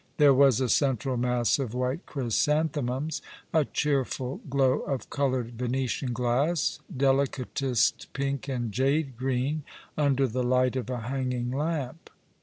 There was a central mass of white chrysanthemums, a cheerful glow of coloured Venetian glass, delicatest jpink and jade green, under the light of a hanging lamp.